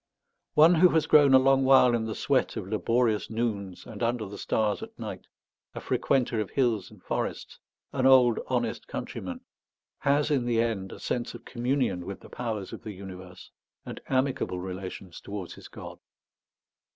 One who has grown a long while in the sweat of laborious noons, and under the stars at night, a frequenter of hills and forests, an old honest countryman, has, in the end, a sense of communion with the powers of the universe, and amicable relations towards his God.